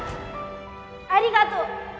ありがとう」